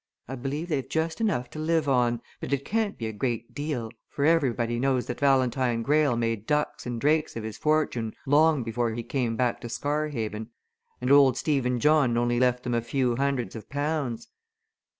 I believe they've just enough to live on, but it can't be a great deal, for everybody knows that Valentine Greyle made ducks and drakes of his fortune long before he came back to Scarhaven, and old Stephen John only left them a few hundreds of pounds.